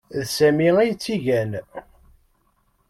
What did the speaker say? D Sami ay tt-igan.